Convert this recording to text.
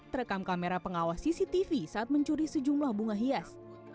terekam kamera pengawas cctv saat mencuri sejumlah bunga hias